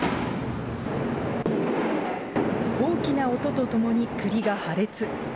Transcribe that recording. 大きな音とともにくりが破裂。